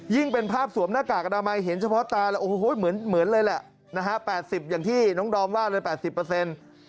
เป็นภาพสวมหน้ากากอนามัยเห็นเฉพาะตาแล้วโอ้โหเหมือนเลยแหละนะฮะ๘๐อย่างที่น้องดอมว่าเลย๘๐เปอร์เซ็นต์